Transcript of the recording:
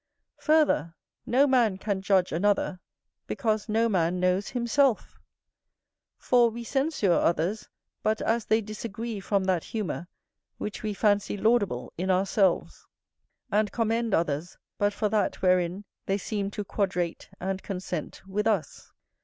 Further, no man can judge another, because no man knows himself; for we censure others but as they disagree from that humour which we fancy laudable in ourselves, and commend others but for that wherein they seem to quadrate and consent with us.